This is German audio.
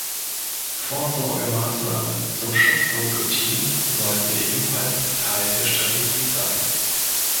Vorsorgemaßnahmen zum Schutz vor Nikotin sollten ebenfalls Teil der Strategie sein.